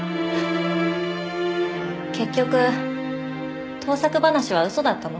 結局盗作話は嘘だったの？